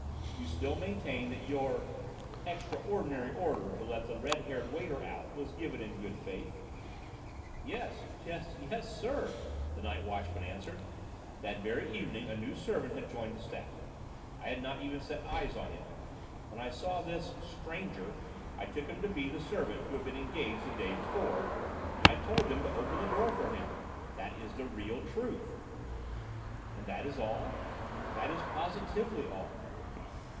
"You still maintain that your extraordinary order to let the red haired waiter out, was given in good faith?" "Yes, yes, yes, sir," the night watchman answered. "That very evening a new servant had joined the staff. I had not even set eyes on him. When I saw this stranger , I took him to be the servant who had been engaged the day before, and I told them to open the door for him. That is the real truth." "And that is all?" "That is positively all."